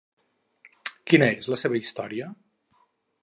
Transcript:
Quina és la seva història?